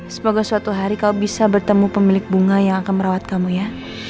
semoga suatu hari kau bisa bertemu pemilik bunga yang akan merawat kamu ya